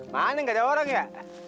mana gak ada orang ya